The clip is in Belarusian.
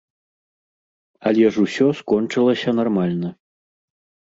Але ж усё скончылася нармальна.